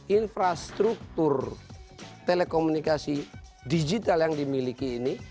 infrastruktur telekomunikasi digital yang dimiliki ini